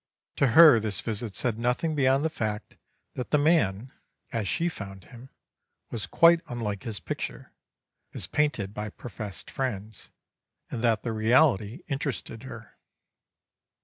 To her this visit said nothing beyond the fact that the man, as she found him, was quite unlike his picture, as painted by professed friends, and that the reality interested her.